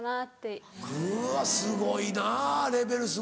うっわすごいなレベルすごい。